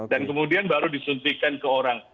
dan kemudian baru disuntikan ke orang